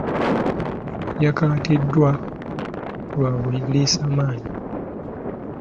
Yakwatiddwa lwa buliisamaanyi.